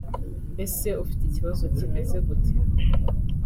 Ese ufite ikibazo kimeze gute